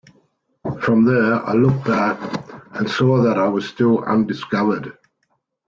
From there I looked back, and saw that I was still undiscovered.